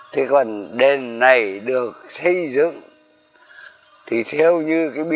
thế còn đền này được xây dựng